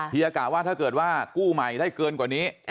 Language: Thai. ยากะว่าถ้าเกิดว่ากู้ใหม่ได้เกินกว่านี้